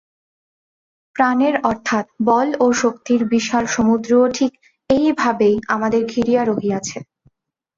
প্রাণের অর্থাৎ বল ও শক্তির বিশাল সমুদ্রও ঠিক এই-ভাবেই আমাদের ঘিরিয়া রহিয়াছে।